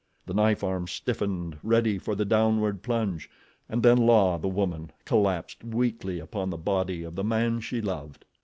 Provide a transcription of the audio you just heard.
The knife arm stiffened ready for the downward plunge, and then La, the woman, collapsed weakly upon the body of the man she loved.